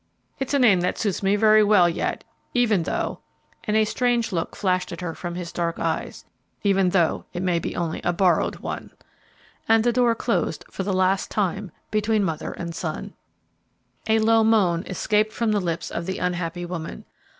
It's a name that suits me very well yet, even though," and a strange look flashed at her from his dark eyes, "even though it may be only a borrowed one," and the door closed, for the last time, between mother and son. A low moan escaped from the lips of the unhappy woman.